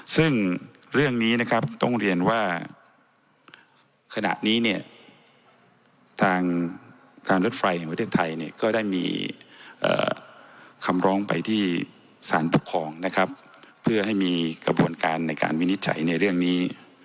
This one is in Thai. ซึ่งเรื่องนี้นะครับต้องเรียนว่าขณะนี้เนี่ยทางการรถไฟแห่งประเทศไทยเนี่ยก็ได้มีคำร้องไปที่สารปกครองนะครับเพื่อให้มีกระบวนการในการวินิจฉัยในเรื่องนี้